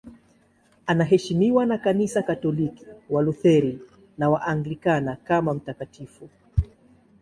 Anaheshimiwa na Kanisa Katoliki, Walutheri na Waanglikana kama mtakatifu.